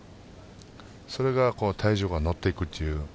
それが体重が乗っていくという。